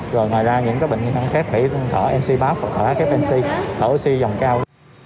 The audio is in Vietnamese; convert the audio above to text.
rồi ngoài ra những bệnh nhân khác thì thở nc pap thở hfnc thở oxy dòng cao